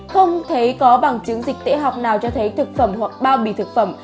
không thấy có bằng chứng dịch tễ học nào cho thấy thực phẩm hoặc bao bì thực phẩm